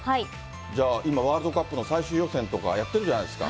じゃあ、今、ワールドカップの最終予選とか、やってるじゃないですか。